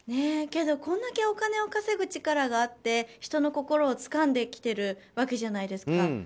けど、これだけお金を稼ぐ力があって人の心をつかんできてるわけじゃないですか。